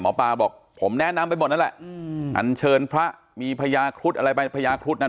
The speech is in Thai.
หมอปลาบอกผมแนะนำไปหมดนั่นแหละอันเชิญพระมีพญาครุฑอะไรไปพญาครุฑนั้น